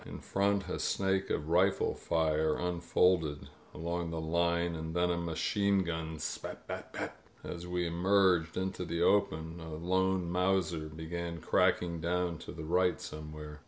In front a snake of rifle fire unfolded along the line, and then a machine gun, spat — spat — spatP' As we emerged into the open a lone Mauser began cracking down to the right some where.